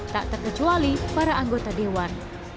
tak terkecuali para anggota dewan